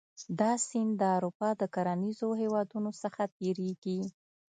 دا سیند د اروپا د کرنیزو هېوادونو څخه تیریږي.